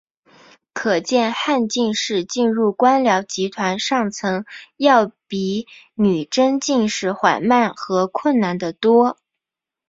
可见汉进士进入官僚集团上层要比女真进士缓慢和困难得多。